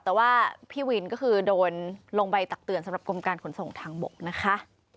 แต่ว่าพี่วินก็คือโดนลงใบตักเตือนสำหรับกรมการขนส่งทางบกนะคะ